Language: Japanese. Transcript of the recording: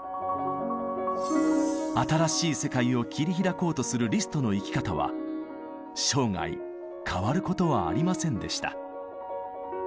新しい世界を切り開こうとするリストの生き方は生涯変わることはありませんでした。